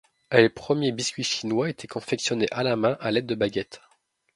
Les premiers biscuits chinois étaient confectionnés à la main à l’aide de baguettes.